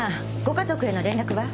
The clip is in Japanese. ご家族への連絡は？